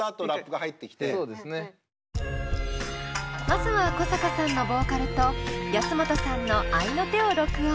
まずは古坂さんのボーカルと安本さんの合いの手を録音。